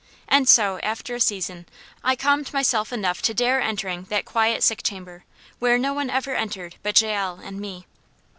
And so, after a season, I calmed myself enough to dare entering that quiet sick chamber, where no one ever entered but Jael and me.